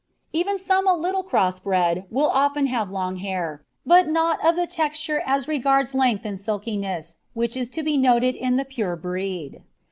Even some a little cross bred will often have long hair, but not of the texture as regards length and silkiness which is to be noted in the pure breed.